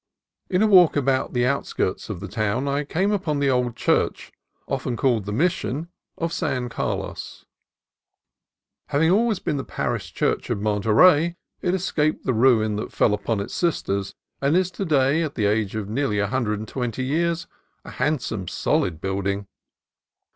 In a walk about the outskirts of the town I came upon the old church, often called the Mission, of San Carlos. Having always been the parish church of Monterey, it escaped the ruin that fell upon its sisters, and is to day, at the age of nearly a hundred and twenty years, a handsome, solid building.